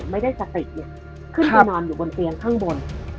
ไม่ได้สติไงขึ้นไปนอนอยู่บนเตียงข้างบน